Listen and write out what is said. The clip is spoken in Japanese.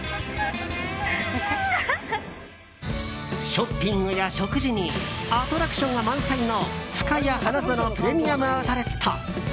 ショッピングや食事にアトラクションが満載のふかや花園プレミアム・アウトレット。